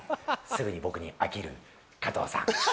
すぐに僕に飽きる加藤さん。